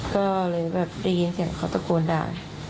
ก็เลยแบบได้ยินเสียงเขาตะโกนด่า